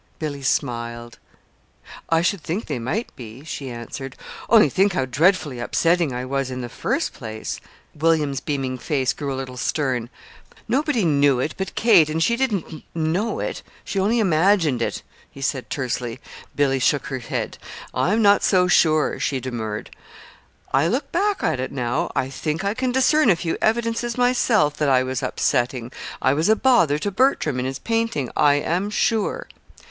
Billy smiled. "I should think they might be," she answered. "Only think how dreadfully upsetting I was in the first place!" William's beaming face grew a little stern. "Nobody knew it but Kate and she didn't know it; she only imagined it," he said tersely. Billy shook her head. "I'm not so sure," she demurred. "As I look back at it now, I think I can discern a few evidences myself that I was upsetting. I was a bother to Bertram in his painting, I am sure."